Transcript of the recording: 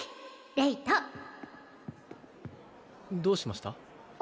レイとどうしました？